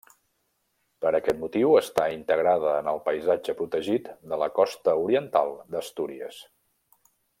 Per aquest motiu està integrada en el Paisatge Protegit de la Costa Oriental d'Astúries.